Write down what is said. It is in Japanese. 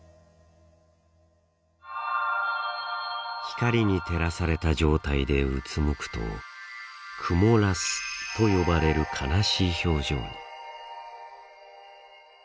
光に照らされた状態でうつむくと「曇ラス」と呼ばれる悲しい表情に。